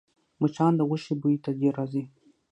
مچان د غوښې بوی ته ډېر راځي